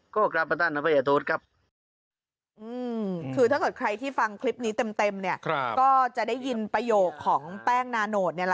ก็พูดถึงว่า